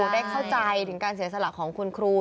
ได้เข้าใจถึงการเสียสละของคุณครู